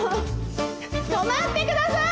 止まってください！